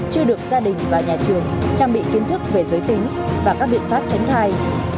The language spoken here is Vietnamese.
chưa được gia đình và nhà trường trang bị kiến thức về giới tính và các biện pháp tránh thai